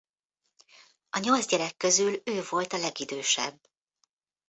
A nyolc gyerek közül ő volt a legidősebb.